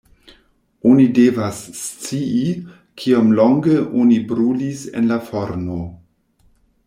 Oni devas scii, kiom longe oni brulis en la forno“.